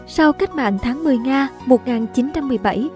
sau cách mạng tháng một mươi nga